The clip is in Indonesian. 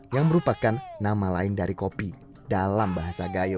yang merupakan nama lain dari kopi dalam bahasa gayo